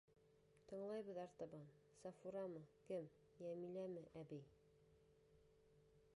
Тыңлайбыҙ артабан, Сафурамы, кем, Йәмиләме әбей.